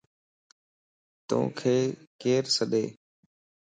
توڪ ڪير سَڏ؟